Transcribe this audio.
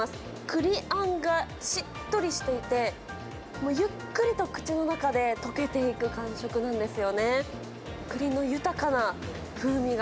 くりあんがしっとりしていて、ゆっくりと口の中で溶けていく感触なんですよね。